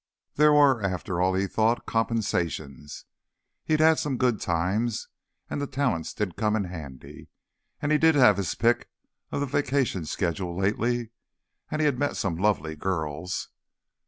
There were, after all, he thought, compensations. He'd had some good times, and the talents did come in handy. And he did have his pick of the vacation schedule lately. And he'd met some lovely girls....